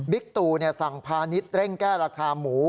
ตู่สั่งพาณิชย์เร่งแก้ราคาหมู